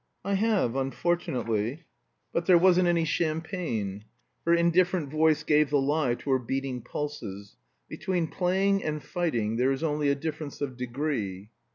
"I have, unfortunately. But there wasn't any champagne." Her indifferent voice gave the lie to her beating pulses. Between playing and fighting there is only a difference of degree.